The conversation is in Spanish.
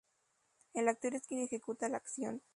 El actor es quien ejecuta la acción.